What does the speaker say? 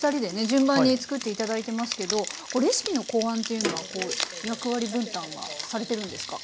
順番に作って頂いてますけどレシピの考案というのはこう役割分担はされてるんですか？